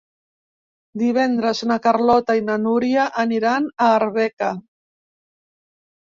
Divendres na Carlota i na Núria aniran a Arbeca.